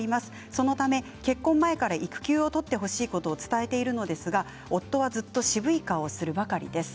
そのため結婚前から育休を取ってほしいことを伝えているのですが夫はずっと渋い顔をするばかりです。